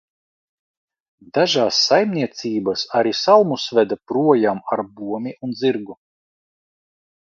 Dažās saimniecībās arī salmus veda projām ar bomi un zirgu.